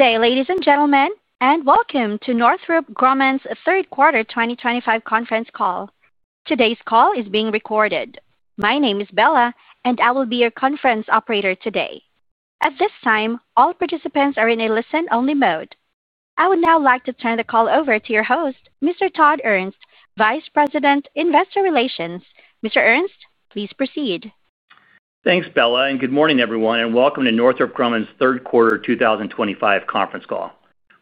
Ladies and gentlemen, welcome to Northrop Grumman's third quarter 2025 conference call. Today's call is being recorded. My name is Bella, and I will be your conference operator today. At this time, all participants are in a listen-only mode. I would now like to turn the call over to your host, Mr. Todd Ernst, Vice President, Investor Relations. Mr. Ernst, please proceed. Thanks, Bella, and good morning, everyone, and welcome to Northrop Grumman's third quarter 2025 conference call.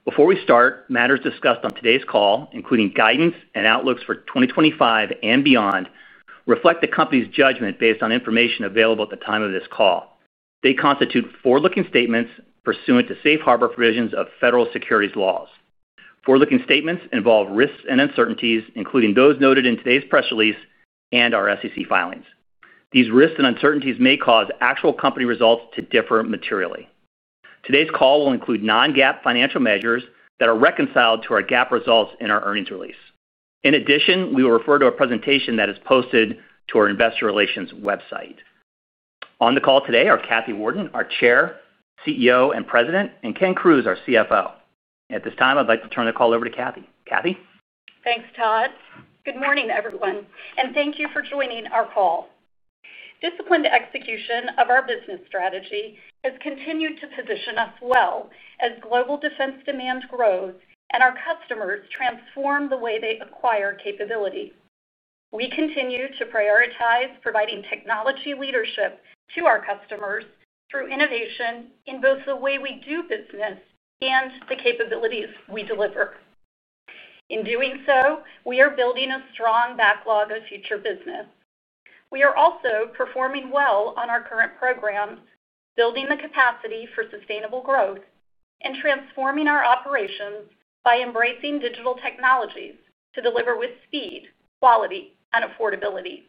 Before we start, matters discussed on today's call, including guidance and outlooks for 2025 and beyond, reflect the company's judgment based on information available at the time of this call. They constitute forward-looking statements pursuant to safe harbor provisions of federal securities laws. Forward-looking statements involve risks and uncertainties, including those noted in today's press release and our SEC filings. These risks and uncertainties may cause actual company results to differ materially. Today's call will include non-GAAP financial measures that are reconciled to our GAAP results in our earnings release. In addition, we will refer to a presentation that is posted to our Investor Relations website. On the call today are Kathy Warden, our Chair, CEO and President, and Ken Crews, our CFO. At this time, I'd like to turn the call over to Kathy. Kathy? Thanks, Todd. Good morning, everyone, and thank you for joining our call. Disciplined execution of our business strategy has continued to position us well as global defense demand grows and our customers transform the way they acquire capability. We continue to prioritize providing technology leadership to our customers through innovation in both the way we do business and the capabilities we deliver. In doing so, we are building a strong backlog of future business. We are also performing well on our current programs, building the capacity for sustainable growth, and transforming our operations by embracing digital technologies to deliver with speed, quality, and affordability.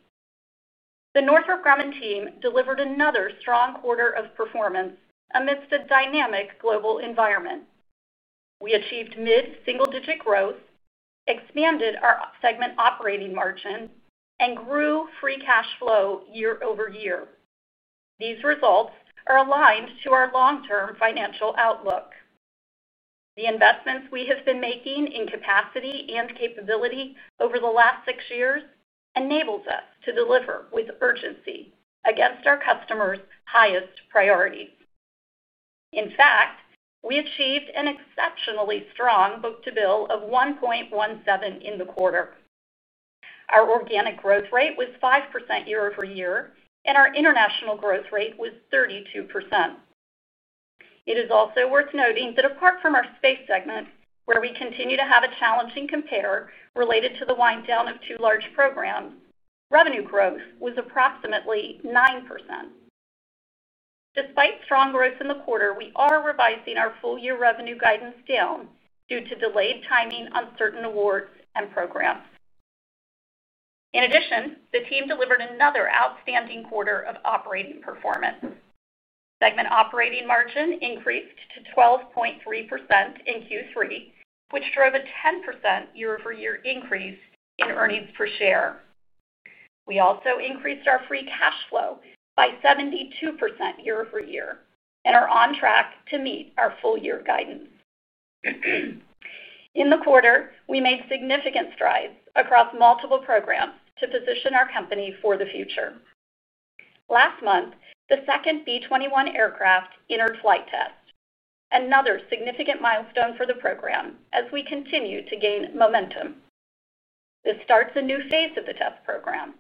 The Northrop Grumman team delivered another strong quarter of performance amidst a dynamic global environment. We achieved mid-single-digit growth, expanded our segment operating margins, and grew free cash flow year-over-year. These results are aligned to our long-term financial outlook. The investments we have been making in capacity and capability over the last six years enable us to deliver with urgency against our customers' highest priorities. In fact, we achieved an exceptionally strong book-to-bill of 1.17 in the quarter. Our organic growth rate was 5% year-over-year, and our international growth rate was 32%. It is also worth noting that apart from our space segment, where we continue to have a challenging compare related to the wind-down of two large programs, revenue growth was approximately 9%. Despite strong growth in the quarter, we are revising our full-year revenue guidance down due to delayed timing, uncertain awards, and programs. In addition, the team delivered another outstanding quarter of operating performance. Segment operating margin increased to 12.3% in Q3, which drove a 10% year-over-year increase in earnings per share. We also increased our free cash flow by 72% year-over-year, and are on track to meet our full-year guidance. In the quarter, we made significant strides across multiple programs to position our company for the future. Last month, the second B-21 Raider aircraft entered flight test, another significant milestone for the program as we continue to gain momentum. This starts a new phase of the test program,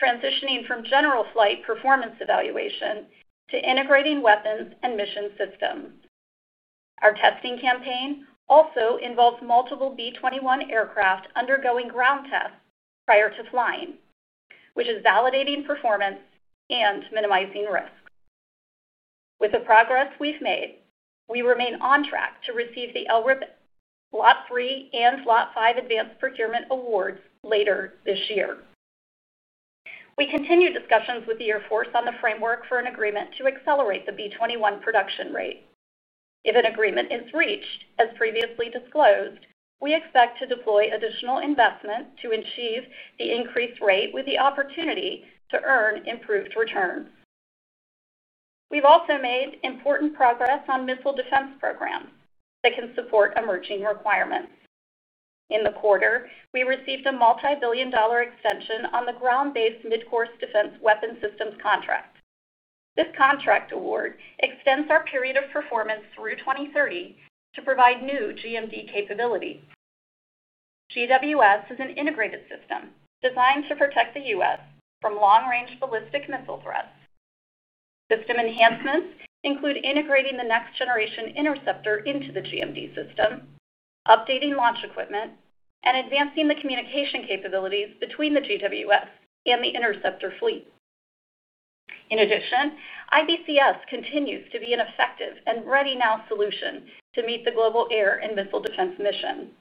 transitioning from general flight performance evaluation to integrating weapons and mission systems. Our testing campaign also involves multiple B-21 aircraft undergoing ground tests prior to flying, which is validating performance and minimizing risk. With the progress we've made, we remain on track to receive the LRIP LOT 3 and LOT 5 advanced procurement awards later this year. We continue discussions with the Air Force on the framework for an agreement to accelerate the B-21 production rate. If an agreement is reached, as previously disclosed, we expect to deploy additional investment to achieve the increased rate with the opportunity to earn improved returns. We've also made important progress on missile defense programs that can support emerging requirements. In the quarter, we received a multi-billion dollar extension on the Ground-based Midcourse Defense weapon systems contract. This contract award extends our period of performance through 2030 to provide new GMD capabilities. GWS is an integrated system designed to protect the U.S. from long-range ballistic missile threats. System enhancements include integrating the next-generation interceptor into the GMD system, updating launch equipment, and advancing the communication capabilities between the GWS and the interceptor fleet. In addition, IBCS continues to be an effective and ready-now solution to meet the global air and missile defense mission.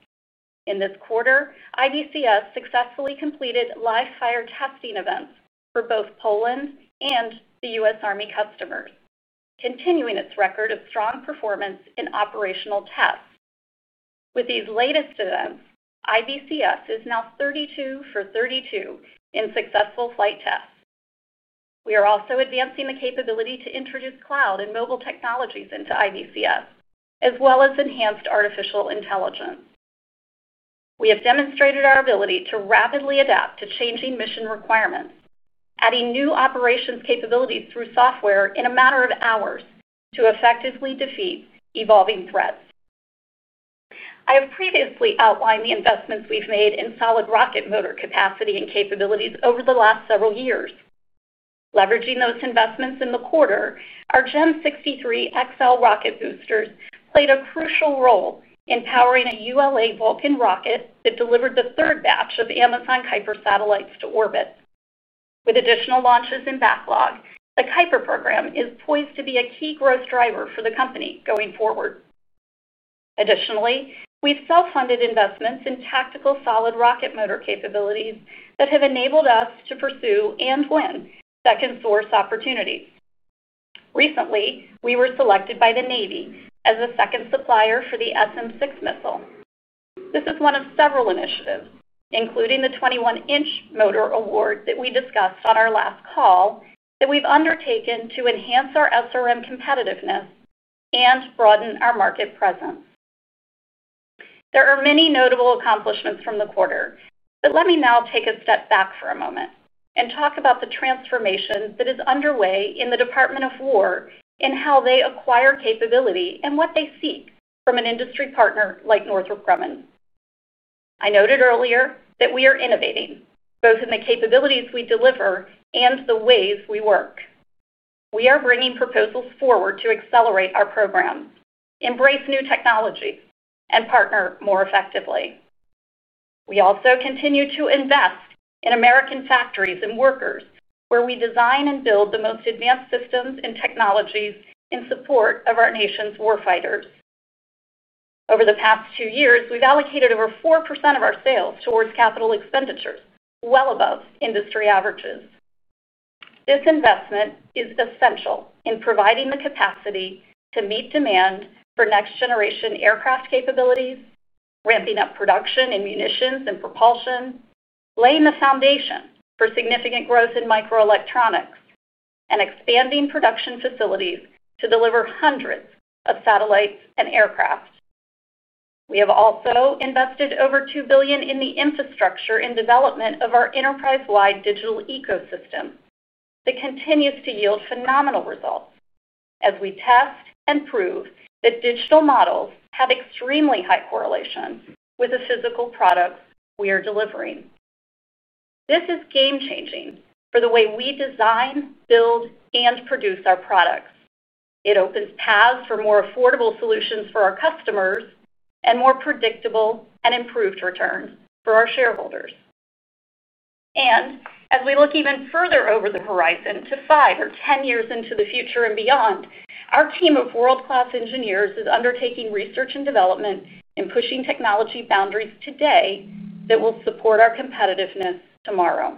In this quarter, IBCS successfully completed live-fire testing events for both Poland and the U.S. Army customers, continuing its record of strong performance in operational tests. With these latest events, IBCS is now 32 for 32 in successful flight tests. We are also advancing the capability to introduce cloud and mobile technologies into IBCS, as well as enhanced artificial intelligence. We have demonstrated our ability to rapidly adapt to changing mission requirements, adding new operations capabilities through software in a matter of hours to effectively defeat evolving threats. I have previously outlined the investments we've made in solid rocket motor capacity and capabilities over the last several years. Leveraging those investments in the quarter, our GEM 63XL rocket boosters played a crucial role in powering a ULA Vulcan rocket that delivered the third batch of Amazon Kuiper satellites to orbit. With additional launches in backlog, the Kuiper program is poised to be a key growth driver for the company going forward. Additionally, we've self-funded investments in tactical solid rocket motor capabilities that have enabled us to pursue and win second-source opportunities. Recently, we were selected by the Navy as the second supplier for the SM-6 missile. This is one of several initiatives, including the 21-inch motor award that we discussed on our last call, that we've undertaken to enhance our SRM competitiveness and broaden our market presence. There are many notable accomplishments from the quarter. Let me now take a step back for a moment and talk about the transformation that is underway in the Department of Defense and how they acquire capability and what they seek from an industry partner like Northrop Grumman. I noted earlier that we are innovating both in the capabilities we deliver and the ways we work. We are bringing proposals forward to accelerate our programs, embrace new technologies, and partner more effectively. We also continue to invest in American factories and workers where we design and build the most advanced systems and technologies in support of our nation's warfighters. Over the past two years, we've allocated over 4% of our sales towards capital expenditures, well above industry averages. This investment is essential in providing the capacity to meet demand for next-generation aircraft capabilities, ramping up production in munitions and propulsion, laying the foundation for significant growth in microelectronics, and expanding production facilities to deliver hundreds of satellites and aircraft. We have also invested over $2 billion in the infrastructure and development of our enterprise-wide digital ecosystem that continues to yield phenomenal results as we test and prove that digital models have extremely high correlation with the physical products we are delivering. This is game-changing for the way we design, build, and produce our products. It opens paths for more affordable solutions for our customers and more predictable and improved returns for our shareholders. As we look even further over the horizon to five or ten years into the future and beyond, our team of world-class engineers is undertaking research and development and pushing technology boundaries today that will support our competitiveness tomorrow.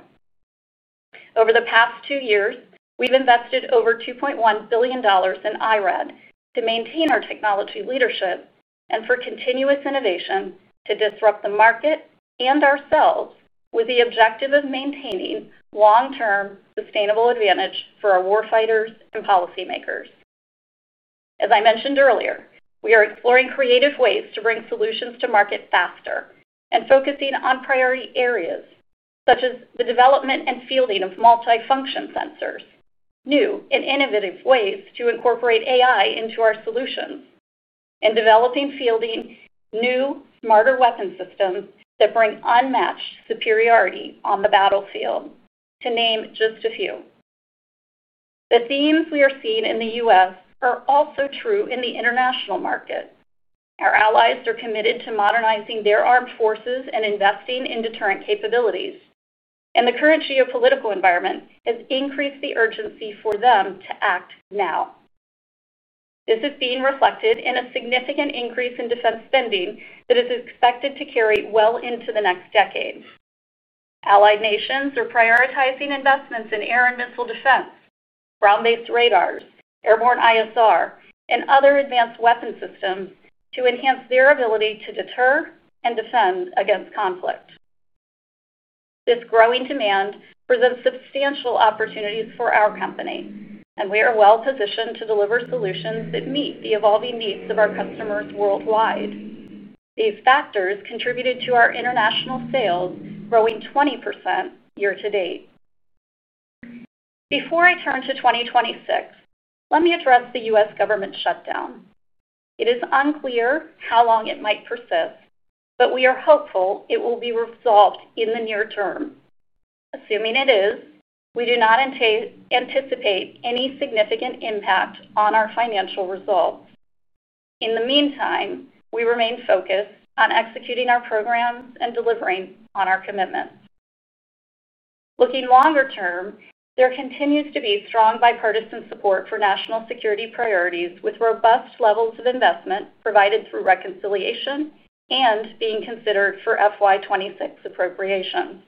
Over the past two years, we've invested over $2.1 billion in IRAD to maintain our technology leadership and for continuous innovation to disrupt the market and ourselves with the objective of maintaining long-term sustainable advantage for our warfighters and policymakers. As I mentioned earlier, we are exploring creative ways to bring solutions to market faster and focusing on priority areas such as the development and fielding of multifunction sensors, new and innovative ways to incorporate AI into our solutions, and developing and fielding new smarter weapon systems that bring unmatched superiority on the battlefield, to name just a few. The themes we are seeing in the U.S. are also true in the international market. Our allies are committed to modernizing their armed forces and investing in deterrent capabilities. The current geopolitical environment has increased the urgency for them to act now. This is being reflected in a significant increase in defense spending that is expected to carry well into the next decade. Allied nations are prioritizing investments in air and missile defense, ground-based radars, airborne ISR, and other advanced weapon systems to enhance their ability to deter and defend against conflict. This growing demand presents substantial opportunities for our company, and we are well-positioned to deliver solutions that meet the evolving needs of our customers worldwide. These factors contributed to our international sales growing 20% year to date. Before I turn to 2026, let me address the U.S. government shutdown. It is unclear how long it might persist, but we are hopeful it will be resolved in the near term. Assuming it is, we do not anticipate any significant impact on our financial results. In the meantime, we remain focused on executing our programs and delivering on our commitments. Looking longer term, there continues to be strong bipartisan support for national security priorities with robust levels of investment provided through reconciliation and being considered for FY 2026 appropriations.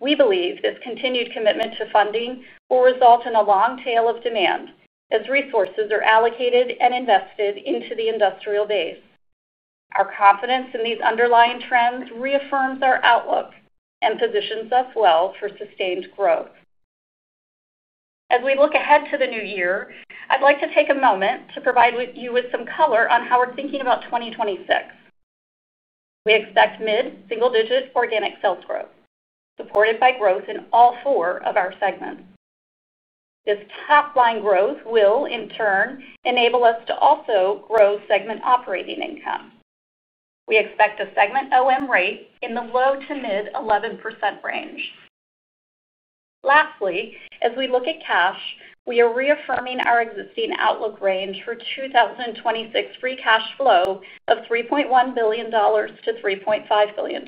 We believe this continued commitment to funding will result in a long tail of demand as resources are allocated and invested into the industrial base. Our confidence in these underlying trends reaffirms our outlook and positions us well for sustained growth. As we look ahead to the new year, I'd like to take a moment to provide you with some color on how we're thinking about 2026. We expect mid-single-digit organic sales growth supported by growth in all four of our segments. This top-line growth will, in turn, enable us to also grow segment operating income. We expect a segment OM rate in the low to mid 11% range. Lastly, as we look at cash, we are reaffirming our existing outlook range for 2026 free cash flow of $3.1 billion-$3.5 billion.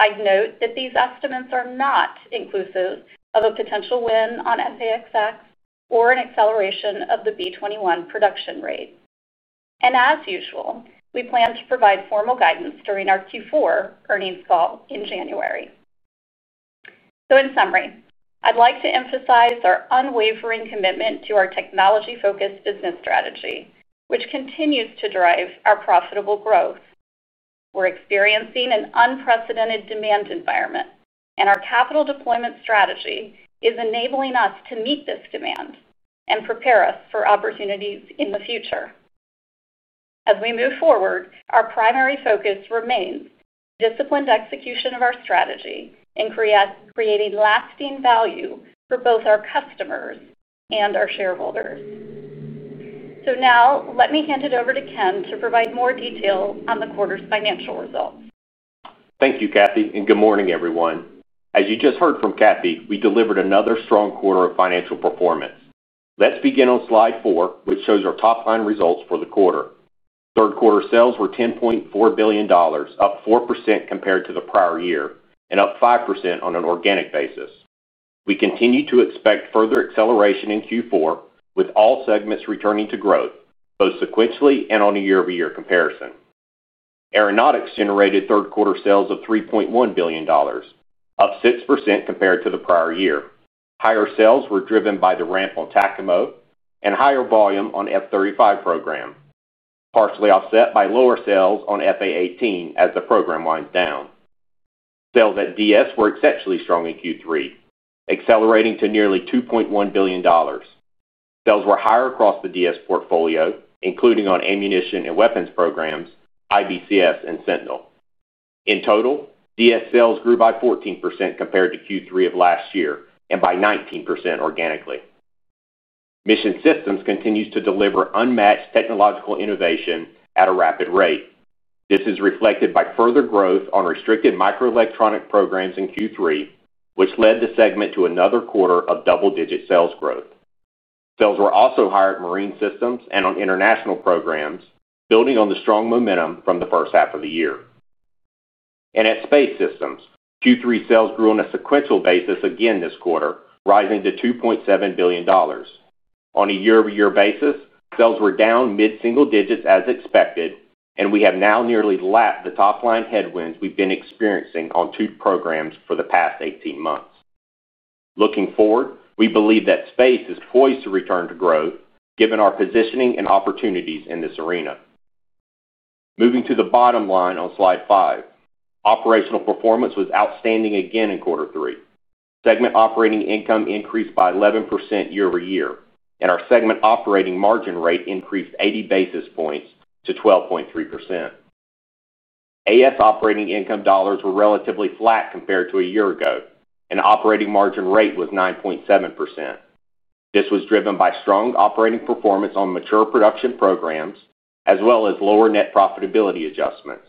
I'd note that these estimates are not inclusive of a potential win on FPXX or an acceleration of the B-21 production rate. As usual, we plan to provide formal guidance during our Q4 earnings call in January. In summary, I'd like to emphasize our unwavering commitment to our technology-focused business strategy, which continues to drive our profitable growth. We're experiencing an unprecedented demand environment, and our capital deployment strategy is enabling us to meet this demand and prepare us for opportunities in the future. As we move forward, our primary focus remains disciplined execution of our strategy and creating lasting value for both our customers and our shareholders. Now, let me hand it over to Ken to provide more detail on the quarter's financial results. Thank you, Kathy, and good morning, everyone. As you just heard from Kathy, we delivered another strong quarter of financial performance. Let's begin on slide 4, which shows our top-line results for the quarter. Third quarter sales were $10.4 billion, up 4% compared to the prior year and up 5% on an organic basis. We continue to expect further acceleration in Q4 with all segments returning to growth, both sequentially and on a year-over-year comparison. Aeronautics generated third quarter sales of $3.1 billion, up 6% compared to the prior year. Higher sales were driven by the ramp on Tacomo and higher volume on F-35 program, partially offset by lower sales on F/A-18 as the program winds down. Sales at DS were exceptionally strong in Q3, accelerating to nearly $2.1 billion. Sales were higher across the DS portfolio, including on ammunition and weapons programs, IBCS, and Sentinel. In total, DS sales grew by 14% compared to Q3 of last year and by 19% organically. Mission systems continue to deliver unmatched technological innovation at a rapid rate. This is reflected by further growth on restricted microelectronic programs in Q3, which led the segment to another quarter of double-digit sales growth. Sales were also higher in marine systems and on international programs, building on the strong momentum from the first half of the year. At space systems, Q3 sales grew on a sequential basis again this quarter, rising to $2.7 billion. On a year-over-year basis, sales were down mid-single digits as expected, and we have now nearly lapped the top-line headwinds we've been experiencing on two programs for the past 18 months. Looking forward, we believe that space is poised to return to growth, given our positioning and opportunities in this arena. Moving to the bottom line on slide five, operational performance was outstanding again in quarter three. Segment operating income increased by 11% year-over-year, and our segment operating margin rate increased 80 basis points to 12.3%. AS operating income dollars were relatively flat compared to a year ago, and the operating margin rate was 9.7%. This was driven by strong operating performance on mature production programs, as well as lower net profitability adjustments.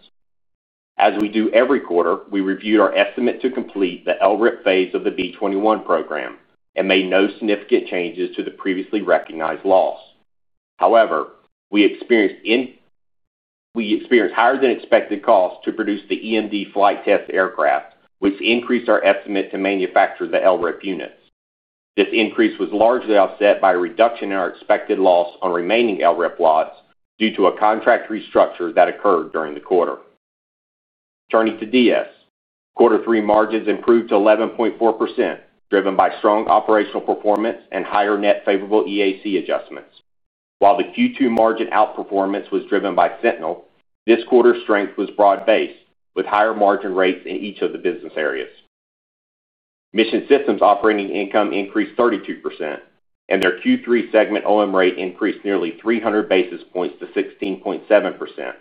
As we do every quarter, we reviewed our estimate to complete the LRIP phase of the B-21 program and made no significant changes to the previously recognized loss. However, we experienced higher than expected costs to produce the EMD flight test aircraft, which increased our estimate to manufacture the LRIP units. This increase was largely offset by a reduction in our expected loss on remaining LRIP lots due to a contract restructure that occurred during the quarter. Turning to DS, quarter three margins improved to 11.4%, driven by strong operational performance and higher net favorable EAC adjustments. While the Q2 margin outperformance was driven by Sentinel, this quarter's strength was broad-based with higher margin rates in each of the business areas. Mission systems operating income increased 32%, and their Q3 segment OM rate increased nearly 300 basis points to 16.7%.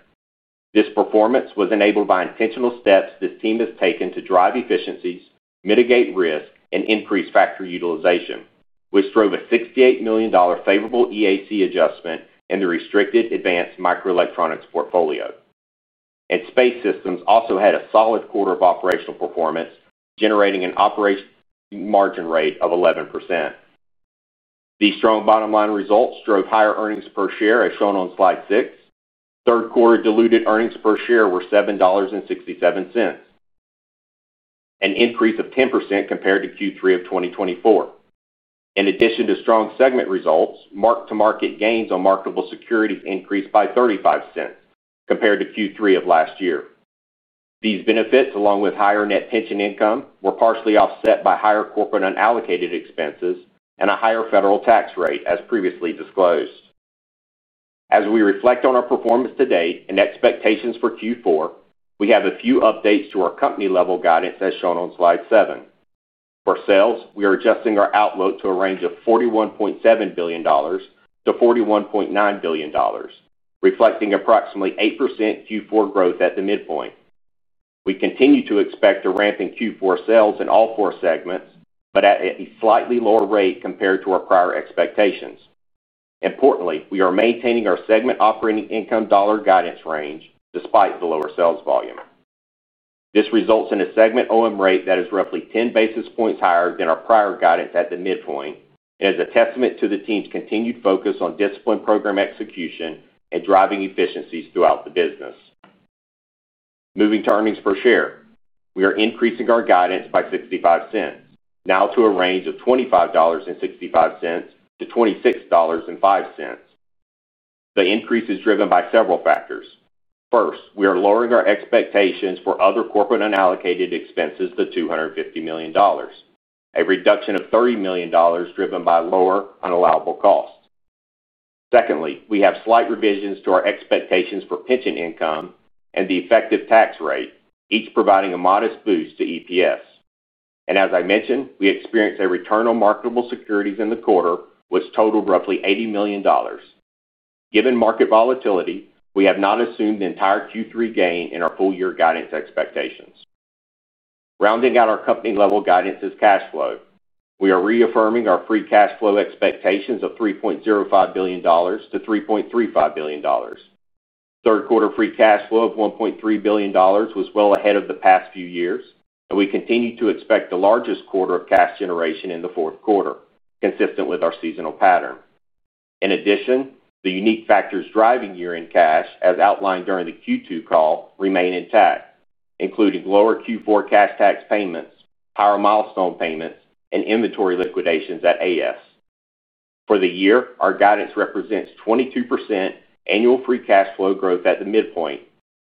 This performance was enabled by intentional steps this team has taken to drive efficiencies, mitigate risk, and increase factory utilization, which drove a $68 million favorable EAC adjustment in the restricted advanced microelectronics portfolio. Space systems also had a solid quarter of operational performance, generating an operating margin rate of 11%. The strong bottom line results drove higher earnings per share as shown on slide 6. Third quarter diluted earnings per share were $7.67, an increase of 10% compared to Q3 of 2024. In addition to strong segment results, marked-to-market gains on marketable securities increased by $0.35 compared to Q3 of last year. These benefits, along with higher net pension income, were partially offset by higher corporate unallocated expenses and a higher federal tax rate, as previously disclosed. As we reflect on our performance today and expectations for Q4, we have a few updates to our company-level guidance as shown on slide 7. For sales, we are adjusting our outlook to a range of $41.7 billion-$41.9 billion, reflecting approximately 8% Q4 growth at the midpoint. We continue to expect a ramp in Q4 sales in all four segments, but at a slightly lower rate compared to our prior expectations. Importantly, we are maintaining our segment operating income dollar guidance range despite the lower sales volume. This results in a segment OM rate that is roughly 10 basis points higher than our prior guidance at the midpoint and is a testament to the team's continued focus on discipline program execution and driving efficiencies throughout the business. Moving to earnings per share, we are increasing our guidance by $0.65, now to a range of $25.65-$26.05. The increase is driven by several factors. First, we are lowering our expectations for other corporate unallocated expenses to $250 million, a reduction of $30 million driven by lower unallowable costs. Secondly, we have slight revisions to our expectations for pension income and the effective tax rate, each providing a modest boost to EPS. As I mentioned, we experienced a return on marketable securities in the quarter, which totaled roughly $80 million. Given market volatility, we have not assumed the entire Q3 gain in our full-year guidance expectations. Rounding out our company-level guidance is cash flow. We are reaffirming our free cash flow expectations of $3.05 billion-$3.35 billion. Third quarter free cash flow of $1.3 billion was well ahead of the past few years, and we continue to expect the largest quarter of cash generation in the fourth quarter, consistent with our seasonal pattern. In addition, the unique factors driving year-end cash, as outlined during the Q2 call, remain intact, including lower Q4 cash tax payments, higher milestone payments, and inventory liquidations at AS. For the year, our guidance represents 22% annual free cash flow growth at the midpoint,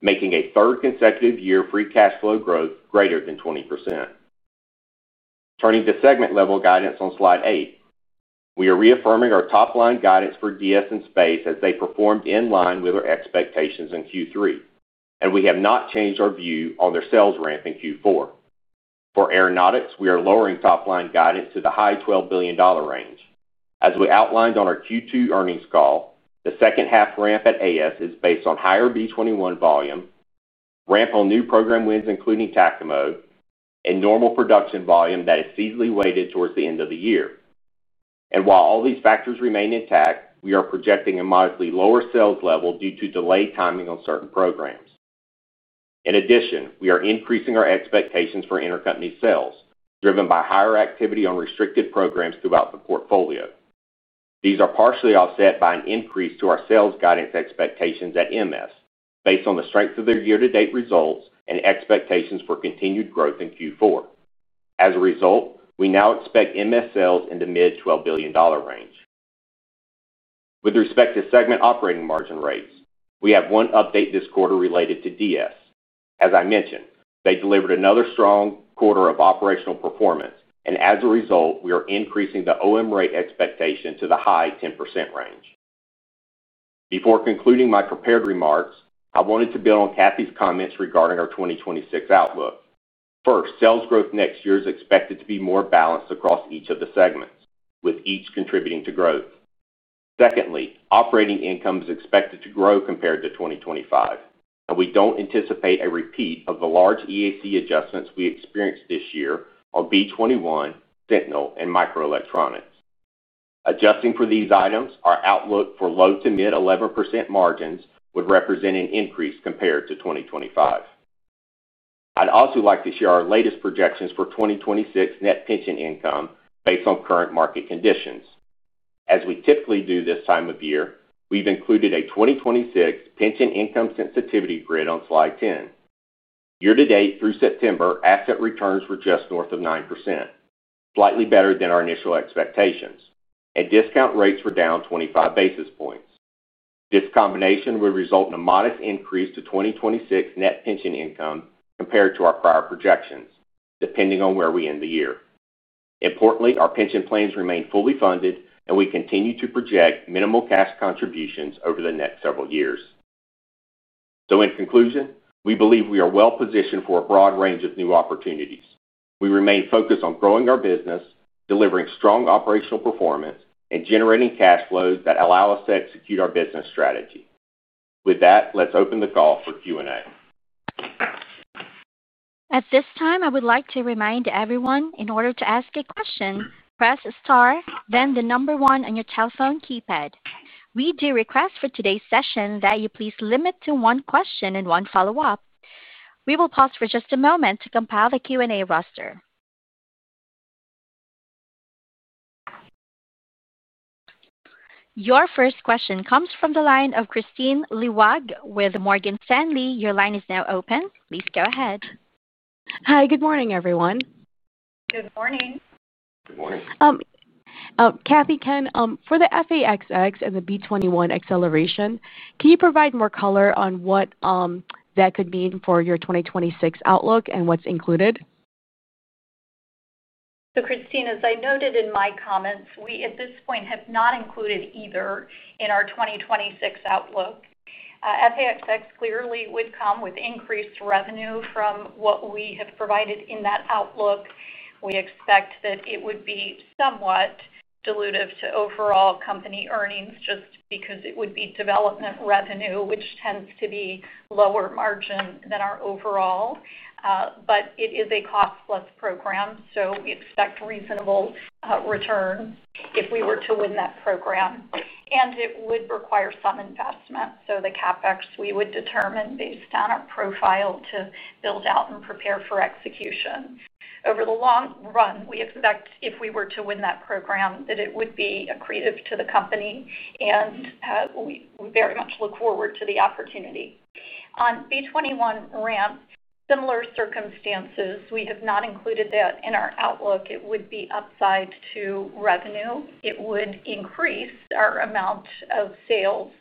making a third consecutive year free cash flow growth greater than 20%. Turning to segment-level guidance on slide eight, we are reaffirming our top-line guidance for DS and space as they performed in line with our expectations in Q3, and we have not changed our view on their sales ramp in Q4. For aeronautics, we are lowering top-line guidance to the high $12 billion range. As we outlined on our Q2 earnings call, the second half ramp at AS is based on higher B-21 volume, ramp on new program wins, including Tacomo, and normal production volume that is seasonally weighted towards the end of the year. While all these factors remain intact, we are projecting a modestly lower sales level due to delayed timing on certain programs. In addition, we are increasing our expectations for intercompany sales, driven by higher activity on restricted programs throughout the portfolio. These are partially offset by an increase to our sales guidance expectations at MS, based on the strength of their year-to-date results and expectations for continued growth in Q4. As a result, we now expect MS sales in the mid $12 billion range. With respect to segment operating margin rates, we have one update this quarter related to DS. As I mentioned, they delivered another strong quarter of operational performance, and as a result, we are increasing the OM rate expectation to the high 10% range. Before concluding my prepared remarks, I wanted to build on Kathy's comments regarding our 2026 outlook. First, sales growth next year is expected to be more balanced across each of the segments, with each contributing to growth. Secondly, operating income is expected to grow compared to 2025, and we don't anticipate a repeat of the large EAC adjustments we experienced this year on B-21, Sentinel, and microelectronics. Adjusting for these items, our outlook for low to mid 11% margins would represent an increase compared to 2025. I'd also like to share our latest projections for 2026 net pension income based on current market conditions. As we typically do this time of year, we've included a 2026 pension income sensitivity grid on slide 10. Year to date through September, asset returns were just north of 9%, slightly better than our initial expectations, and discount rates were down 25 basis points. This combination would result in a modest increase to 2026 net pension income compared to our prior projections, depending on where we end the year. Importantly, our pension plans remain fully funded, and we continue to project minimal cash contributions over the next several years. In conclusion, we believe we are well-positioned for a broad range of new opportunities. We remain focused on growing our business, delivering strong operational performance, and generating cash flows that allow us to execute our business strategy. With that, let's open the call for Q&A. At this time, I would like to remind everyone, in order to ask a question, press star, then the number one on your telephone keypad. We do request for today's session that you please limit to one question and one follow-up. We will pause for just a moment to compile the Q&A roster. Your first question comes from the line of Kristine Liwag with Morgan Stanley. Your line is now open. Please go ahead. Hi, good morning, everyone. Good morning. Good morning. Kathy, Ken, for the FPXX and the B-21 acceleration, can you provide more color on what that could mean for your 2026 outlook and what's included? Kristine, as I noted in my comments, we at this point have not included either in our 2026 outlook. FPXX clearly would come with increased revenue from what we have provided in that outlook. We expect that it would be somewhat dilutive to overall company earnings just because it would be development revenue, which tends to be lower margin than our overall, but it is a costless program, so we expect reasonable returns if we were to win that program. It would require some investment, so the CapEx we would determine based on a profile to build out and prepare for execution. Over the long run, we expect if we were to win that program that it would be accretive to the company, and we very much look forward to the opportunity. On B-21 ramp, similar circumstances, we have not included that in our outlook. It would be upside to revenue. It would increase our amount of sales,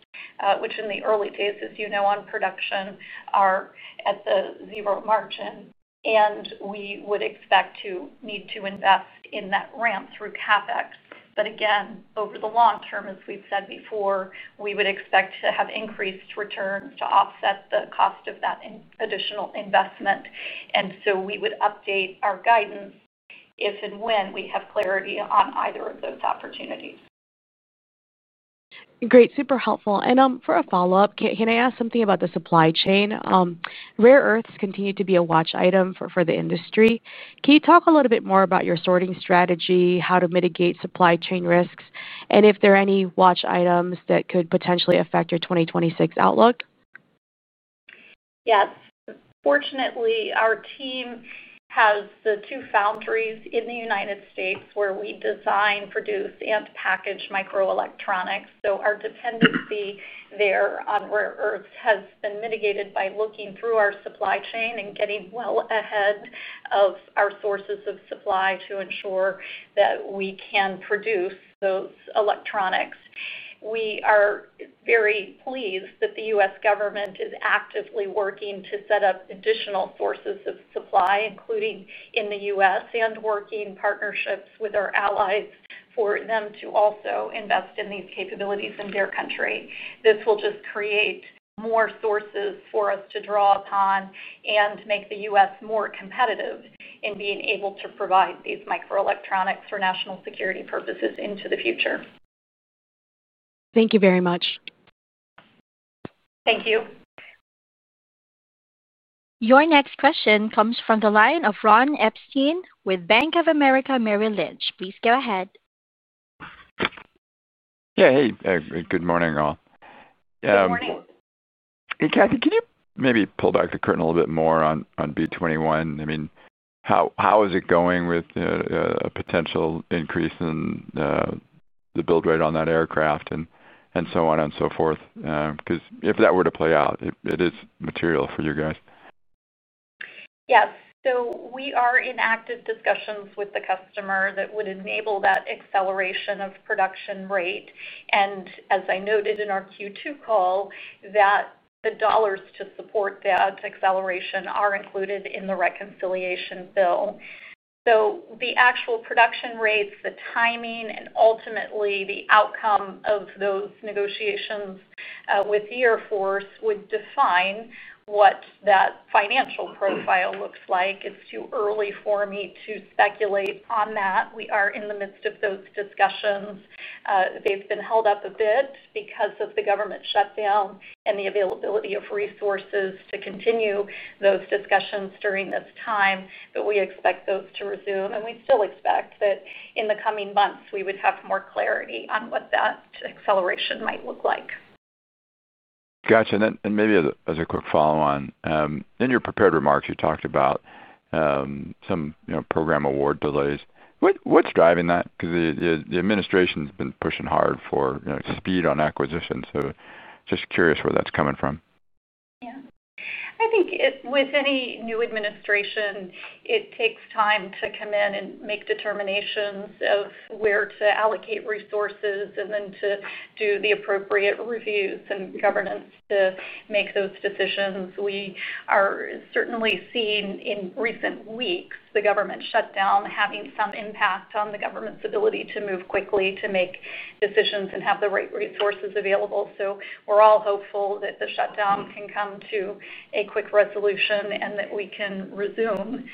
which in the early days, as you know, on production are at the zero margin. We would expect to need to invest in that ramp through CapEx. Again, over the long term, as we've said before, we would expect to have increased returns to offset the cost of that additional investment. We would update our guidance if and when we have clarity on either of those opportunities. Great, super helpful. For a follow-up, can I ask something about the supply chain? Rare earths continue to be a watch item for the industry. Can you talk a little bit more about your sourcing strategy, how to mitigate supply chain risks, and if there are any watch items that could potentially affect your 2026 outlook? Yes. Fortunately, our team has the two foundries in the United States where we design, produce, and package microelectronics. Our dependency there on rare earths has been mitigated by looking through our supply chain and getting well ahead of our sources of supply to ensure that we can produce those electronics. We are very pleased that the U.S. government is actively working to set up additional sources of supply, including in the U.S., and working partnerships with our allies for them to also invest in these capabilities in their country. This will just create more sources for us to draw upon and make the U.S. more competitive in being able to provide these microelectronics for national security purposes into the future. Thank you very much. Thank you. Your next question comes from the line of Ron Epstein with Bank of America Merrill Lynch. Please go ahead. Yeah, hey, good morning all. Good morning. Hey, Kathy, can you maybe pull back the curtain a little bit more on B-21? I mean, how is it going with a potential increase in the build rate on that aircraft and so on and so forth? Because if that were to play out, it is material for you guys. Yes. We are in active discussions with the customer that would enable that acceleration of production rate. As I noted in our Q2 call, the dollars to support that acceleration are included in the reconciliation bill. The actual production rates, the timing, and ultimately the outcome of those negotiations with the Air Force would define what that financial profile looks like. It's too early for me to speculate on that. We are in the midst of those discussions. They've been held up a bit because of the government shutdown and the availability of resources to continue those discussions during this time. We expect those to resume, and we still expect that in the coming months, we would have more clarity on what that acceleration might look like. Gotcha. Maybe as a quick follow-on, in your prepared remarks, you talked about some program award delays. What's driving that? The administration's been pushing hard for speed on acquisitions. Just curious where that's coming from. I think with any new administration, it takes time to come in and make determinations of where to allocate resources and then to do the appropriate reviews and governance to make those decisions. We are certainly seeing in recent weeks the government shutdown having some impact on the government's ability to move quickly to make decisions and have the right resources available. We're all hopeful that the shutdown can come to a quick resolution and that we can resume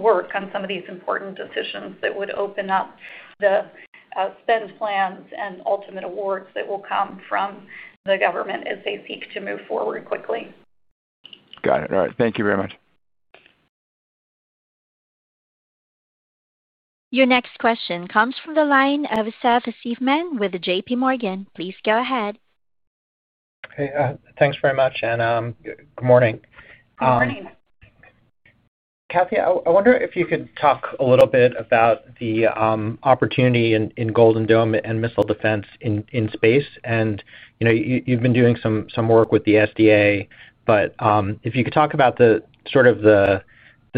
work on some of these important decisions that would open up the spend plans and ultimate awards that will come from the government as they seek to move forward quickly. Got it. All right. Thank you very much. Your next question comes from the line of Seth Seifman with JP Morgan. Please go ahead. Hey, thanks very much, and good morning. Good morning. Kathy, I wonder if you could talk a little bit about the opportunity in Iron Dome and missile defense in space. You've been doing some work with the SDA, but if you could talk about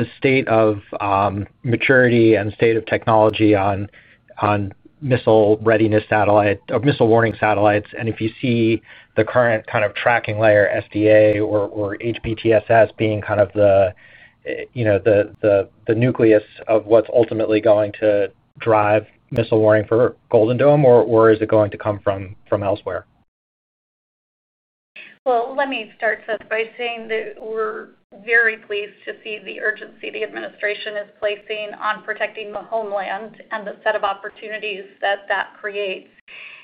the state of maturity and the state of technology on missile readiness satellites or missile warning satellites, and if you see the current kind of tracking layer SDA or HBTSS being the nucleus of what's ultimately going to drive missile warning for Iron Dome, or is it going to come from elsewhere? Let me start, Seth, by saying that we're very pleased to see the urgency the administration is placing on protecting the homeland and the set of opportunities that that creates.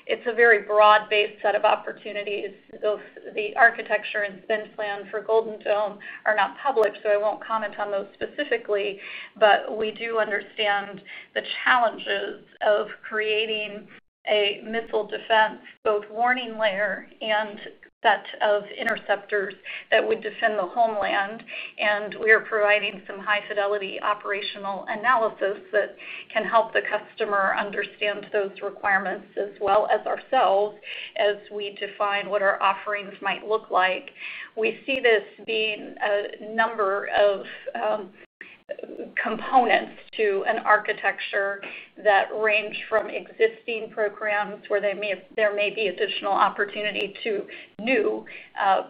It's a very broad-based set of opportunities. Both the architecture and spend plan for Iron Dome are not public, so I won't comment on those specifically, but we do understand the challenges of creating a missile defense, both warning layer and set of interceptors that would defend the homeland. We are providing some high-fidelity operational analysis that can help the customer understand those requirements as well as ourselves as we define what our offerings might look like. We see this being a number of components to an architecture that range from existing programs where there may be additional opportunity to new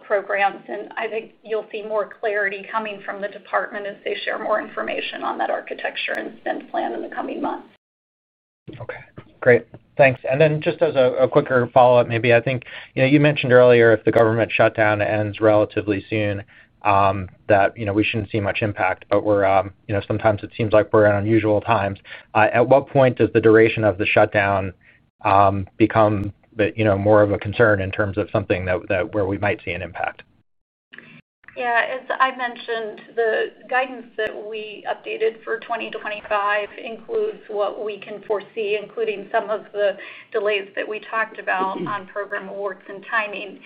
programs. I think you'll see more clarity coming from the department as they share more information on that architecture and spend plan in the coming months. Okay. Great. Thanks. Just as a quicker follow-up, I think you mentioned earlier if the government shutdown ends relatively soon, we shouldn't see much impact. Sometimes it seems like we're in unusual times. At what point does the duration of the shutdown become more of a concern in terms of something where we might see an impact? As I mentioned, the guidance that we updated for 2025 includes what we can foresee, including some of the delays that we talked about on program awards and timing.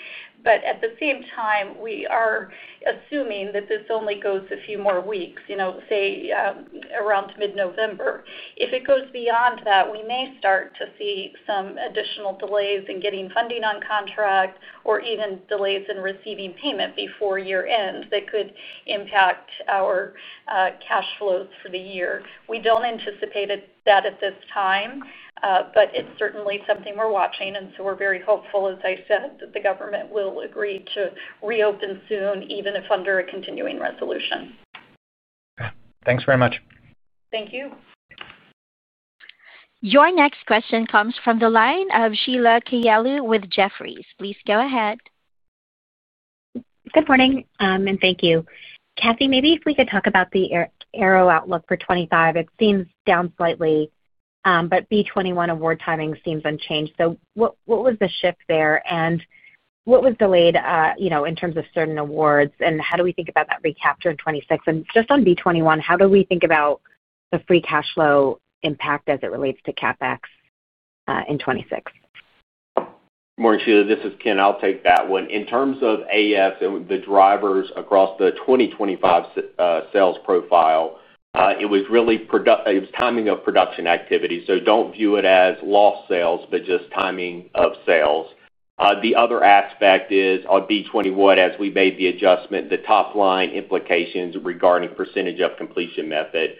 At the same time, we are assuming that this only goes a few more weeks, you know, say, around mid-November. If it goes beyond that, we may start to see some additional delays in getting funding on contract or even delays in receiving payment before year end that could impact our cash flows for the year. We don't anticipate that at this time, but it's certainly something we're watching. We are very hopeful, as I said, that the government will agree to reopen soon, even if under a continuing resolution. Thanks very much. Thank you. Your next question comes from the line of Sheila Kahyaoglu with Jefferies. Please go ahead. Good morning, and thank you. Kathy, maybe if we could talk about the ARRO outlook for 2025, it seems down slightly, but B-21 award timing seems unchanged. What was the shift there and what was delayed in terms of certain awards? How do we think about that recapture in 2026? Just on B-21, how do we think about the free cash flow impact as it relates to CapEx in 2026? Morning Sheila, this is Ken. I'll take that one. In terms of AS and the drivers across the 2025 sales profile, it was really product, it was timing of production activity. Do not view it as lost sales, but just timing of sales. The other aspect is on B-21, as we made the adjustment, the top-line implications regarding percentage of completion method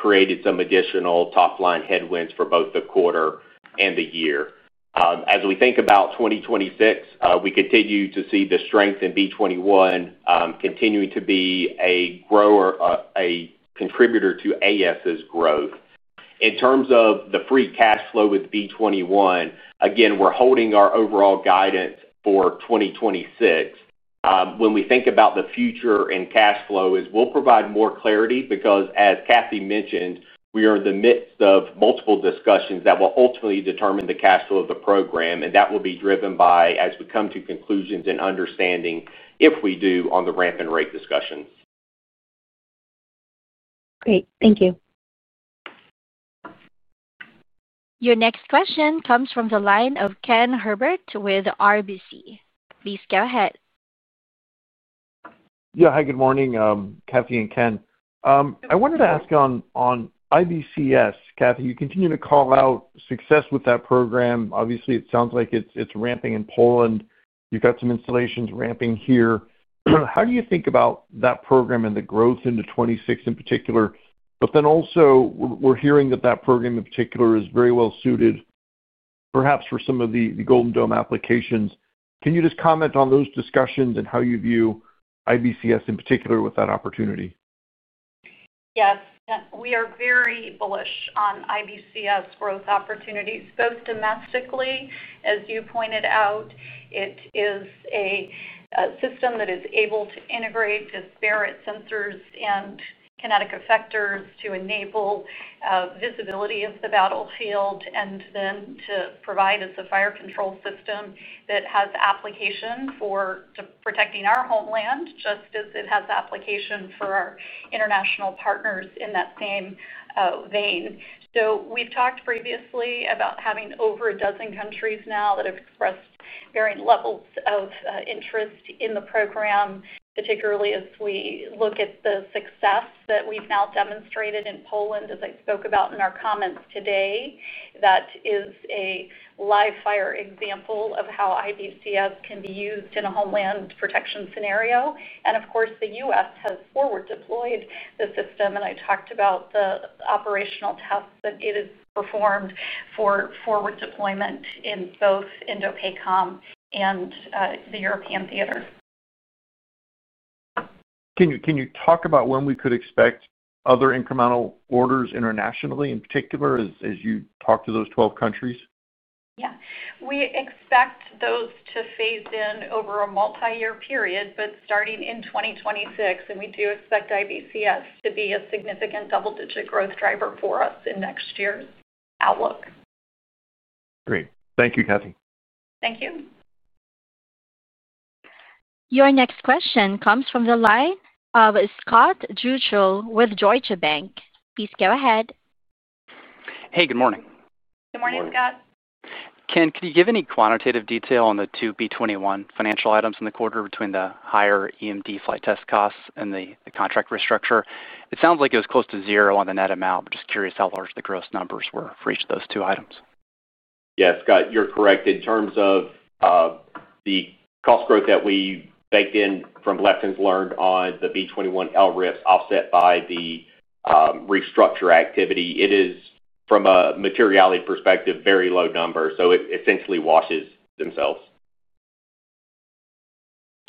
created some additional top-line headwinds for both the quarter and the year. As we think about 2026, we continue to see the strength in B-21, continuing to be a grower, a contributor to AS's growth. In terms of the free cash flow with B-21, again, we're holding our overall guidance for 2026. When we think about the future and cash flow, we'll provide more clarity because, as Kathy mentioned, we are in the midst of multiple discussions that will ultimately determine the cash flow of the program. That will be driven by, as we come to conclusions and understanding, if we do, on the ramping rate discussions. Great, thank you. Your next question comes from the line of Ken Herbert with RBC. Please go ahead. Yeah. Hi, good morning, Kathy and Ken. I wanted to ask on IBCS. Kathy, you continue to call out success with that program. Obviously, it sounds like it's ramping in Poland. You've got some installations ramping here. How do you think about that program and the growth into 2026 in particular? Also, we're hearing that that program in particular is very well suited, perhaps, for some of the Iron Dome applications. Can you just comment on those discussions and how you view IBCS in particular with that opportunity? Yes, we are very bullish on IBCS growth opportunities, both domestically. As you pointed out, it is a system that is able to integrate the Spirit sensors and kinetic effectors to enable visibility of the battlefield and then to provide us a fire control system that has application for protecting our homeland, just as it has application for our international partners in that same vein. We have talked previously about having over a dozen countries now that have expressed varying levels of interest in the program, particularly as we look at the success that we've now demonstrated in Poland, as I spoke about in our comments today. That is a live-fire example of how IBCS can be used in a homeland protection scenario. The U.S. has forward-deployed the system. I talked about the operational tests that it has performed for forward deployment in both Indo-PACOM and the European theater. Can you talk about when we could expect other incremental orders internationally, in particular as you talk to those 12 countries? We expect those to phase in over a multi-year period, starting in 2026, and we do expect IBCS to be a significant double-digit growth driver for us in next year's outlook. Great. Thank you, Kathy. Thank you. Your next question comes from the line of Scott Deuschle with Deutsche Bank. Please go ahead. Hey, good morning. Good morning, Scott. Ken, can you give any quantitative detail on the two B-21 financial items in the quarter between the higher EMD flight test costs and the contract restructure? It sounds like it was close to zero on the net amount, but just curious how large the gross numbers were for each of those two items. Yes, Scott, you're correct. In terms of the cost growth that we baked in from lessons learned on the B-21 LRIFs offset by the restructure activity, it is, from a materiality perspective, a very low number. It essentially washes themselves.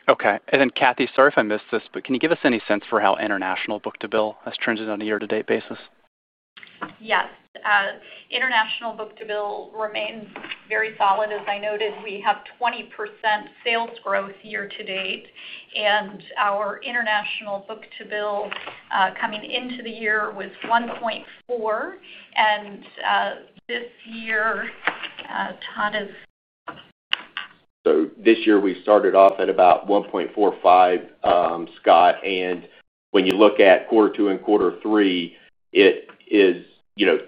Okay, Kathy, sorry if I missed this, but can you give us any sense for how international book-to-bill has trended on a year-to-date basis? Yes. International book-to-bill remains very solid. As I noted, we have 20% sales growth year to date, and our international book-to-bill, coming into the year, was 1.4. This year, Todd is. This year, we started off at about 1.45, Scott. When you look at quarter two and quarter three, it is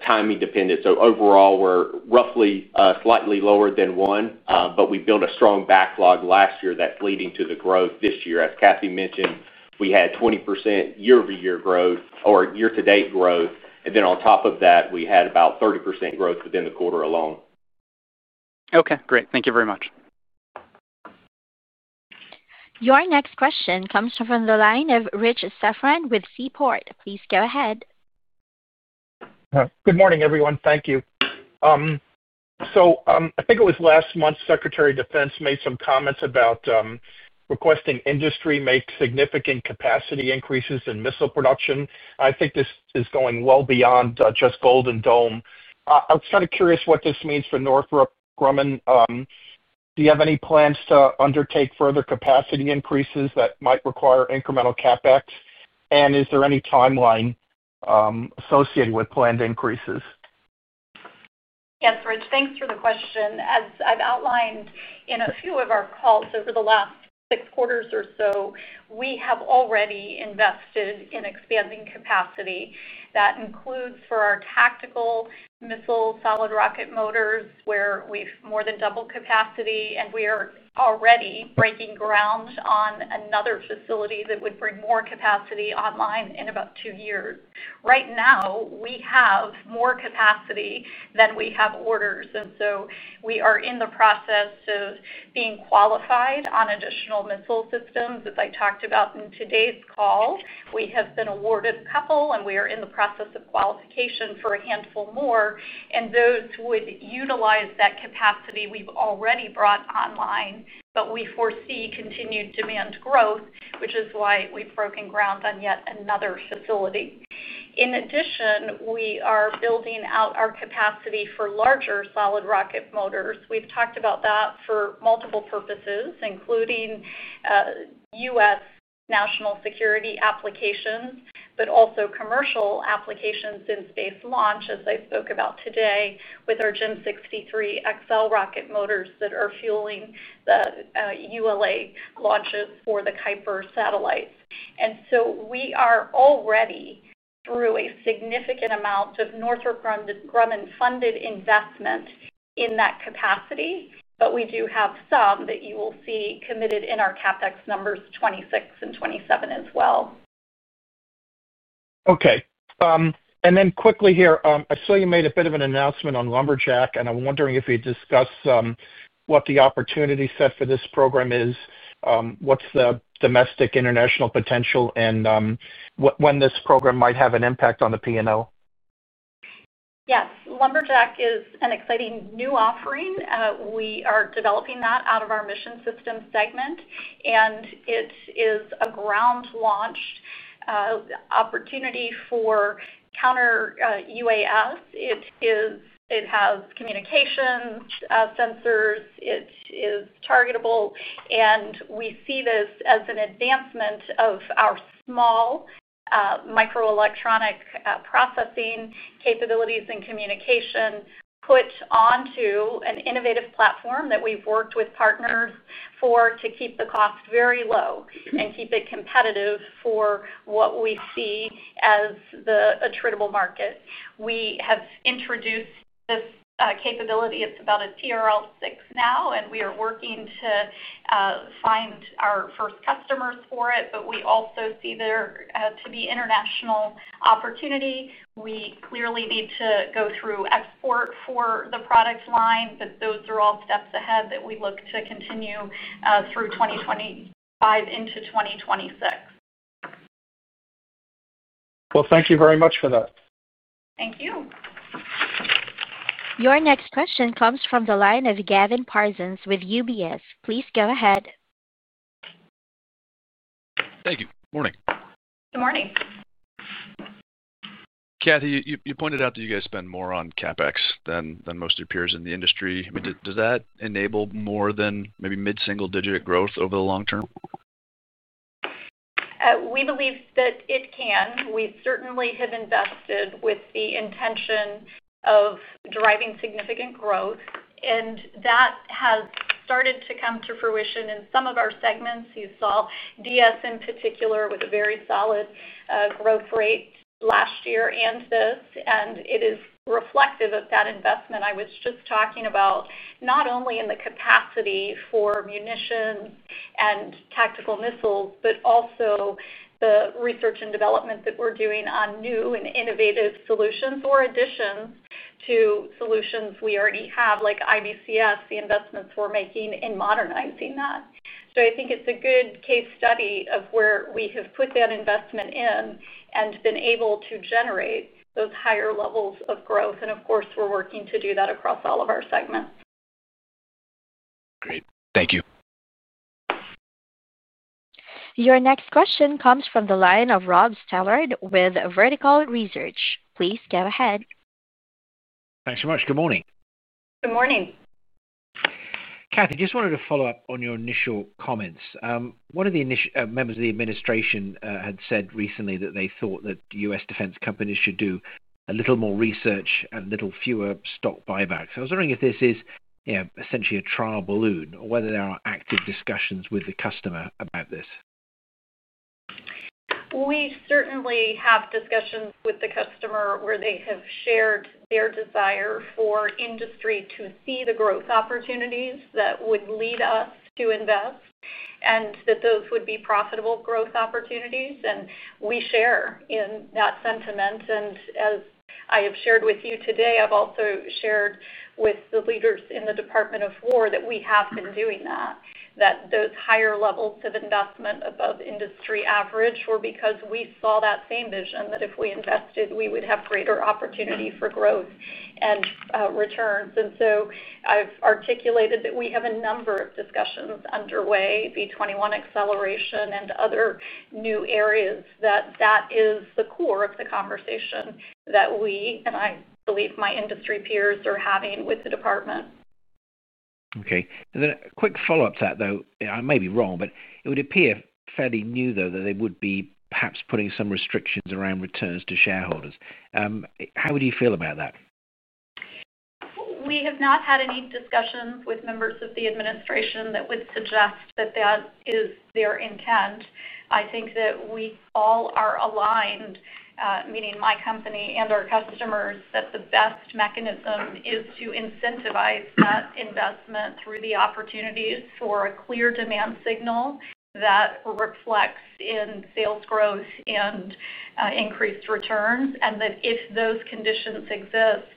timing dependent. Overall, we're roughly slightly lower than one, but we built a strong backlog last year that's leading to the growth this year. As Kathy mentioned, we had 20% year-over-year growth or year-to-date growth. On top of that, we had about 30% growth within the quarter alone. Okay, great. Thank you very much. Your next question comes from the line of Richard Safran with Seaport. Please go ahead. Good morning, everyone. Thank you. I think it was last month, Secretary of Defense made some comments about requesting industry make significant capacity increases in missile production. I think this is going well beyond just Iron Dome. I was kind of curious what this means for Northrop Grumman. Do you have any plans to undertake further capacity increases that might require incremental CapEx? Is there any timeline associated with planned increases? Yes, Rich, thanks for the question. As I've outlined in a few of our calls over the last six quarters or so, we have already invested in expanding capacity. That includes for our tactical missile solid rocket motors where we've more than doubled capacity, and we are already breaking ground on another facility that would bring more capacity online in about two years. Right now, we have more capacity than we have orders. We are in the process of being qualified on additional missile systems, as I talked about in today's call. We have been awarded a couple, and we are in the process of qualification for a handful more. Those would utilize that capacity we've already brought online, but we foresee continued demand growth, which is why we've broken ground on yet another facility. In addition, we are building out our capacity for larger solid rocket motors. We've talked about that for multiple purposes, including U.S. national security applications, but also commercial applications in space launch, as I spoke about today, with our GEM 63XL rocket motors that are fueling the ULA launches for the Kuiper satellites. We are already through a significant amount of Northrop Grumman-funded investment in that capacity, but we do have some that you will see committed in our CapEx numbers 2026 and 2027 as well. Okay. I saw you made a bit of an announcement on Lumberjack, and I'm wondering if you'd discuss what the opportunity set for this program is, what's the domestic international potential, and when this program might have an impact on the P&L? Yes. Lumberjack is an exciting new offering. We are developing that out of our Mission Systems segment, and it is a ground-launched opportunity for counter-UAS. It has communications, sensors. It is targetable, and we see this as an advancement of our small, microelectronic processing capabilities and communication put onto an innovative platform that we've worked with partners for to keep the cost very low and keep it competitive for what we see as the attributable market. We have introduced this capability. It's about a TRL 6 now, and we are working to find our first customers for it, but we also see there to be international opportunity. We clearly need to go through export for the product line, but those are all steps ahead that we look to continue through 2025 into 2026. Thank you very much for that. Thank you. Your next question comes from the line of Gavin Parsons with UBS. Please go ahead. Thank you. Morning. Good morning. Kathy, you pointed out that you guys spend more on CapEx than most of your peers in the industry. I mean, does that enable more than maybe mid-single-digit growth over the long term? We believe that it can. We certainly have invested with the intention of driving significant growth, and that has started to come to fruition in some of our segments. You saw DS in particular with a very solid growth rate last year and this, and it is reflective of that investment I was just talking about, not only in the capacity for munitions and tactical missiles, but also the research and development that we're doing on new and innovative solutions or additions to solutions we already have, like IBCS, the investments we're making in modernizing that. I think it's a good case study of where we have put that investment in and been able to generate those higher levels of growth. Of course, we're working to do that across all of our segments. Great. Thank you. Your next question comes from the line of Rob Stallard with Vertical Research. Please go ahead. Thanks so much. Good morning. Good morning. Kathy, just wanted to follow up on your initial comments. One of the members of the administration had said recently that they thought that U.S. defense companies should do a little more research and a little fewer stock buybacks. I was wondering if this is essentially a trial balloon or whether there are active discussions with the customer about this. We certainly have discussions with the customer where they have shared their desire for industry to see the growth opportunities that would lead us to invest and that those would be profitable growth opportunities. We share in that sentiment. As I have shared with you today, I've also shared with the leaders in the Department of Defense that we have been doing that, that those higher levels of investment above industry average were because we saw that same vision that if we invested, we would have greater opportunity for growth and returns. I have articulated that we have a number of discussions underway, B-21 acceleration and other new areas, that is the core of the conversation that we and I believe my industry peers are having with the department. Okay. A quick follow-up to that, though, I may be wrong, but it would appear fairly new, though, that they would be perhaps putting some restrictions around returns to shareholders. How would you feel about that? We have not had any discussions with members of the administration that would suggest that that is their intent. I think that we all are aligned, meaning my company and our customers, that the best mechanism is to incentivize that investment through the opportunities for a clear demand signal that reflects in sales growth and increased returns, and that if those conditions exist,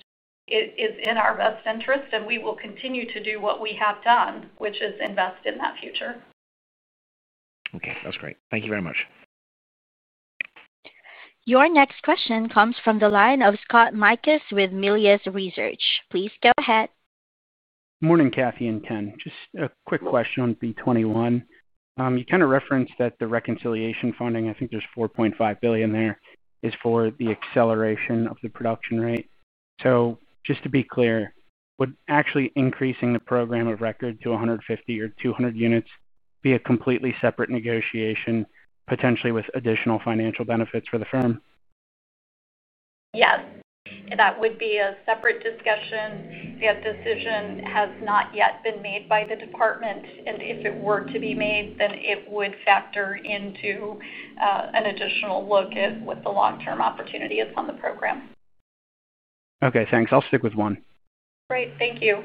it is in our best interest, and we will continue to do what we have done, which is invest in that future. Okay, that's great. Thank you very much. Your next question comes from the line of Scott Mikus with Melius Research. Please go ahead. Morning, Kathy and Ken. Just a quick question on B-21. You kind of referenced that the reconciliation funding, I think there's $4.5 billion there, is for the acceleration of the production rate. Just to be clear, would actually increasing the program of record to 150 or 200 units be a completely separate negotiation, potentially with additional financial benefits for the firm? Yes, that would be a separate discussion. That decision has not yet been made by the department, and if it were to be made, it would factor into an additional look at what the long-term opportunity is on the program. Okay, thanks. I'll stick with one. Great. Thank you.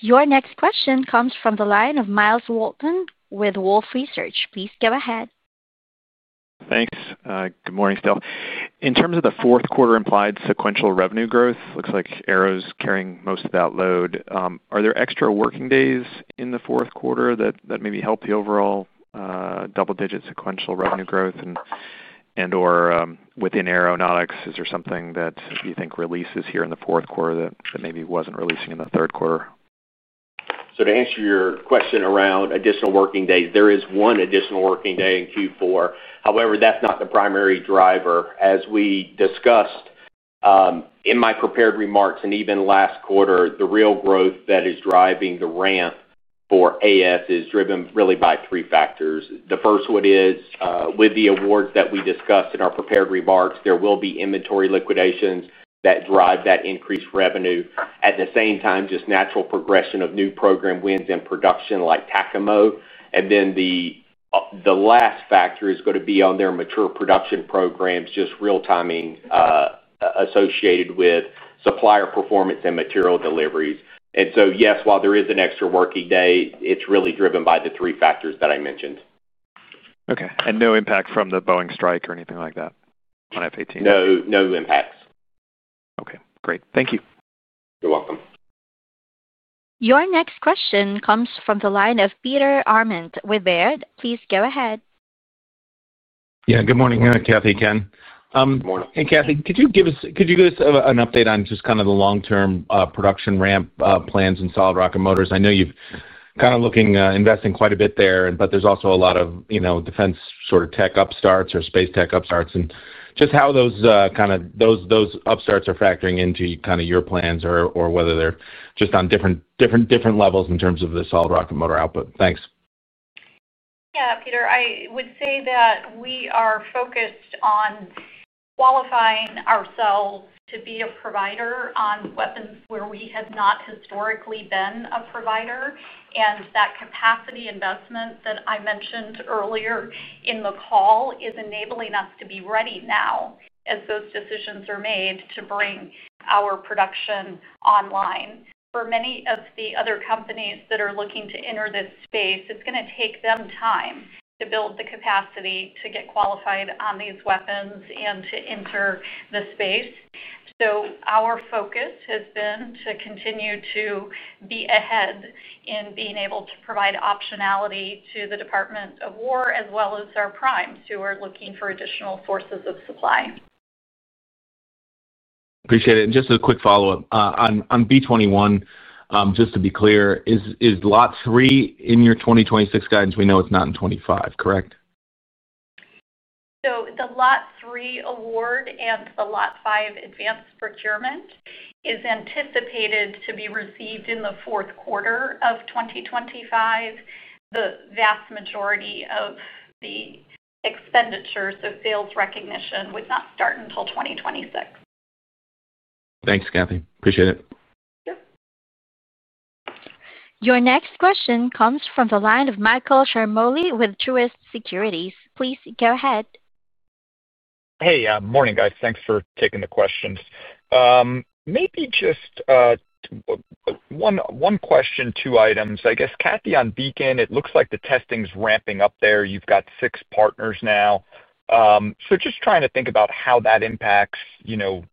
Your next question comes from the line of Myles Walton with Wolfe Research. Please go ahead. Thanks. Good morning still. In terms of the fourth quarter implied sequential revenue growth, it looks like ARRO's carrying most of that load. Are there extra working days in the fourth quarter that maybe help the overall double-digit sequential revenue growth? Or within aeronautics, is there something that you think releases here in the fourth quarter that maybe wasn't releasing in the third quarter? To answer your question around additional working days, there is one additional working day in Q4. However, that's not the primary driver. As we discussed in my prepared remarks and even last quarter, the real growth that is driving the ramp for AS is driven really by three factors. The first one is, with the awards that we discussed in our prepared remarks, there will be inventory liquidations that drive that increased revenue. At the same time, just natural progression of new program wins in production like Tacomo. The last factor is going to be on their mature production programs, just real timing associated with supplier performance and material deliveries. Yes, while there is an extra working day, it's really driven by the three factors that I mentioned. Okay. No impact from the Boeing strike or anything like that on F-18? No impacts. Okay. Great, thank you. You're welcome. Your next question comes from the line of Peter Arment with Baird. Please go ahead. Good morning, Kathy, Ken. Good morning. Hey, Kathy, could you give us an update on just kind of the long-term production ramp plans and solid rocket motors? I know you've kind of looking, investing quite a bit there, but there's also a lot of, you know, defense sort of tech upstarts or space tech upstarts. Just how those upstarts are factoring into your plans or whether they're just on different levels in terms of the solid rocket motor output. Thanks. Yeah, Peter, I would say that we are focused on qualifying ourselves to be a provider on weapons where we have not historically been a provider. That capacity investment that I mentioned earlier in the call is enabling us to be ready now as those decisions are made to bring our production online. For many of the other companies that are looking to enter this space, it's going to take them time to build the capacity to get qualified on these weapons and to enter the space. Our focus has been to continue to be ahead in being able to provide optionality to the Department of War as well as our primes who are looking for additional sources of supply. Appreciate it. Just a quick follow-up. On B-21, just to be clear, is Lot 3 in your 2026 guidance? We know it's not in 2025, correct? The Lot 3 award and the Lot 5 advanced procurement is anticipated to be received in the fourth quarter of 2025. The vast majority of the expenditures, the sales recognition, would not start until 2026. Thanks, Kathy. Appreciate it. Sure. Your next question comes from the line of Michael Ciarmoli with Truist Securities. Please go ahead. Hey, morning, guys. Thanks for taking the questions. Maybe just one question, two items. I guess, Kathy, on Beacon, it looks like the testing's ramping up there. You've got six partners now, so just trying to think about how that impacts, you know,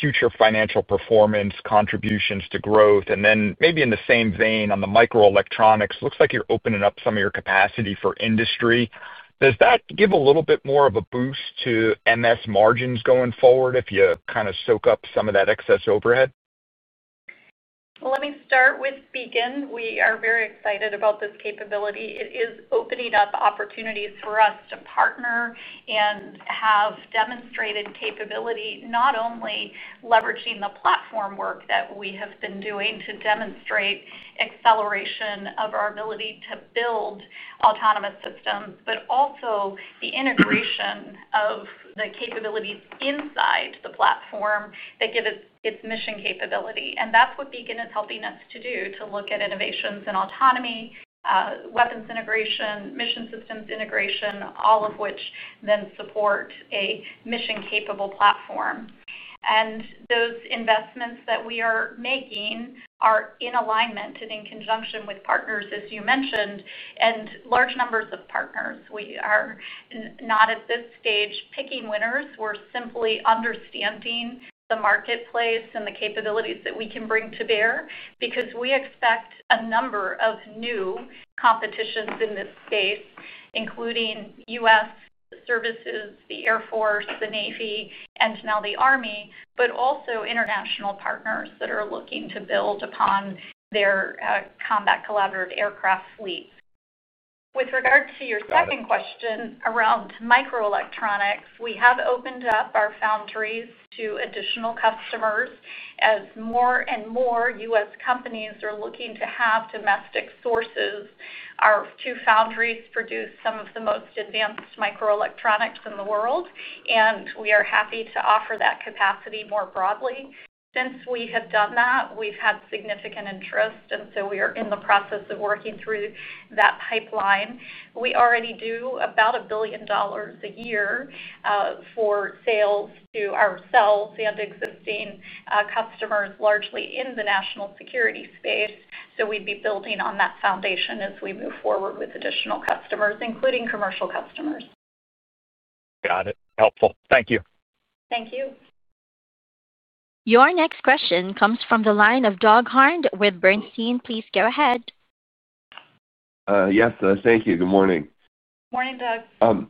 future financial performance, contributions to growth. Then maybe in the same vein on the microelectronics, it looks like you're opening up some of your capacity for industry. Does that give a little bit more of a boost to MS margins going forward if you kind of soak up some of that excess overhead? Let me start with Beacon. We are very excited about this capability. It is opening up opportunities for us to partner and have demonstrated capability, not only leveraging the platform work that we have been doing to demonstrate acceleration of our ability to build autonomous systems, but also the integration of the capabilities inside the platform that give us its mission capability. That is what Beacon is helping us to do, to look at innovations in autonomy, weapons integration, mission systems integration, all of which then support a mission-capable platform. Those investments that we are making are in alignment and in conjunction with partners, as you mentioned, and large numbers of partners. We are not at this stage picking winners. We are simply understanding the marketplace and the capabilities that we can bring to bear because we expect a number of new competitions in this space, including U.S. services, the Air Force, the Navy, and now the Army, but also international partners that are looking to build upon their combat collaborative aircraft fleets. With regard to your second question around microelectronics, we have opened up our foundries to additional customers as more and more U.S. companies are looking to have domestic sources. Our two foundries produce some of the most advanced microelectronics in the world, and we are happy to offer that capacity more broadly. Since we have done that, we've had significant interest, and we are in the process of working through that pipeline. We already do about $1 billion a year for sales to ourselves and existing customers, largely in the national security space. We would be building on that foundation as we move forward with additional customers, including commercial customers. Got it. Helpful. Thank you. Thank you. Your next question comes from the line of Doug Harned with Bernstein. Please go ahead. Yes, thank you. Good morning. Morning, Doug.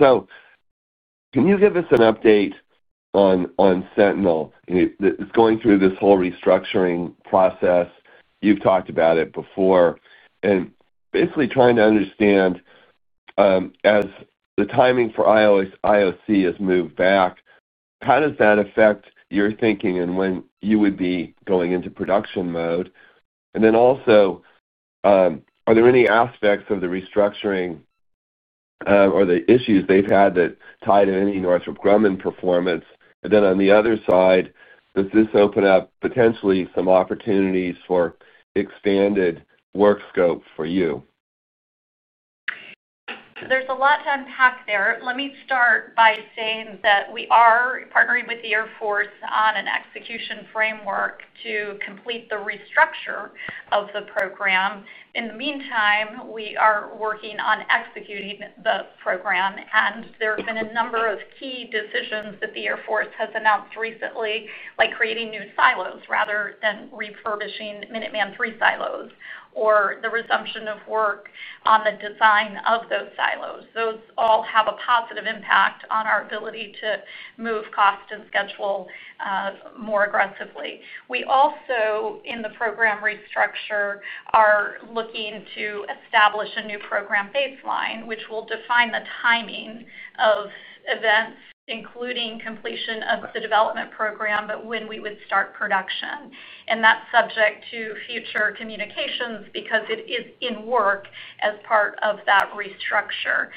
Can you give us an update on Sentinel? It's going through this whole restructuring process. You've talked about it before. Basically trying to understand, as the timing for IOC has moved back, how does that affect your thinking and when you would be going into production mode? Also, are there any aspects of the restructuring, or the issues they've had that tie to any Northrop Grumman performance? On the other side, does this open up potentially some opportunities for expanded work scope for you? There's a lot to unpack there. Let me start by saying that we are partnering with the Air Force on an execution framework to complete the restructure of the program. In the meantime, we are working on executing the program, and there have been a number of key decisions that the Air Force has announced recently, like creating new silos rather than refurbishing Minuteman III silos or the resumption of work on the design of those silos. Those all have a positive impact on our ability to move cost and schedule more aggressively. We also, in the program restructure, are looking to establish a new program baseline, which will define the timing of events, including completion of the development program, but when we would start production. That's subject to future communications because it is in work as part of that restructure.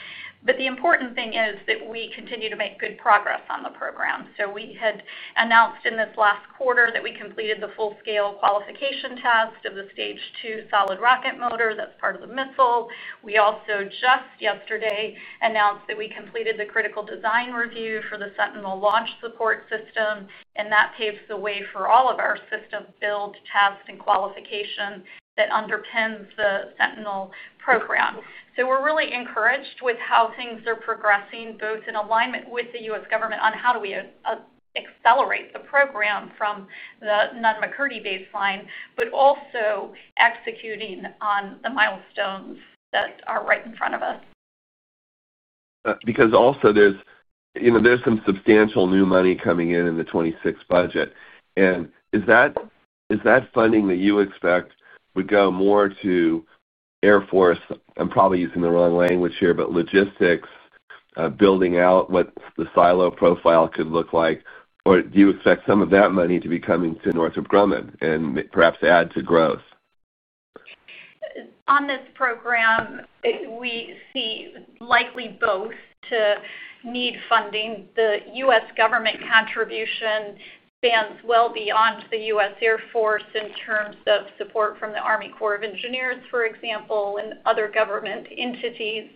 The important thing is that we continue to make good progress on the program. We had announced in this last quarter that we completed the full-scale qualification test of the stage two solid rocket motor that's part of the missile. We also just yesterday announced that we completed the critical design review for the Sentinel launch support system, and that paves the way for all of our system build, test, and qualification that underpins the Sentinel program. We're really encouraged with how things are progressing, both in alignment with the U.S. government on how do we accelerate the program from the Nunn-McCurdy baseline, but also executing on the milestones that are right in front of us. Because also there's some substantial new money coming in in the 2026 budget. Is that funding that you expect would go more to Air Force? I'm probably using the wrong language here, but logistics, building out what the silo profile could look like, or do you expect some of that money to be coming to Northrop Grumman and perhaps add to growth? On this program, we see likely both to need funding. The U.S. government contribution spans well beyond the U.S. Air Force in terms of support from the Army Corps of Engineers, for example, and other government entities.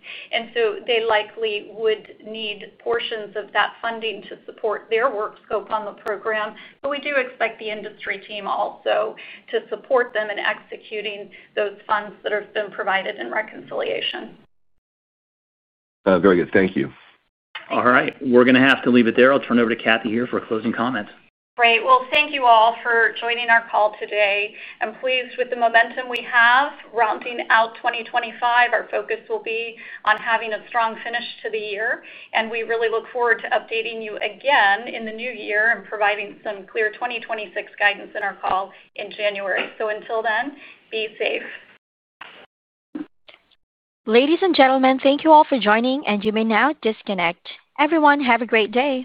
They likely would need portions of that funding to support their work scope on the program. We do expect the industry team also to support them in executing those funds that have been provided in reconciliation. Very good. Thank you. All right, we're going to have to leave it there. I'll turn it over to Kathy here for closing comments. Thank you all for joining our call today. I'm pleased with the momentum we have. Rounding out 2025, our focus will be on having a strong finish to the year. We really look forward to updating you again in the new year and providing some clear 2026 guidance in our call in January. Until then, be safe. Ladies and gentlemen, thank you all for joining, and you may now disconnect. Everyone, have a great day.